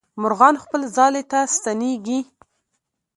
مرغان خپل ځالې ته ستنېږي.